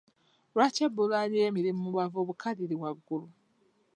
Lwaki ebbula ly'emirimu mu bavubuka liri waggulu?